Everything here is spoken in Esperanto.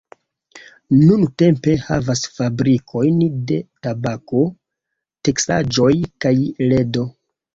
Nuntempe havas fabrikojn de tabako, teksaĵoj kaj ledo.